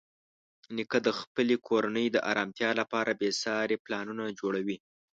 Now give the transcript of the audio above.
نیکه د خپلې کورنۍ د ارامتیا لپاره بېساري پلانونه جوړوي.